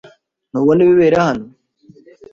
Ntubona ibibera hano?